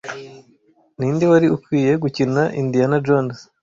Ninde wari ukwiye gukina Indiana Jones